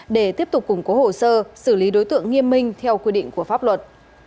để tiếp tục củng cố hồ sơ xử lý đối tượng nghiêm minh theo quy định của pháp luật